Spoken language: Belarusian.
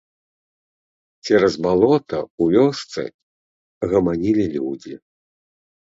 Цераз балота ў вёсцы гаманілі людзі.